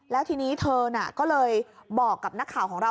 แล้วทีนี้เธอน่ะก็เลยบอกกับนักข่าวของเรา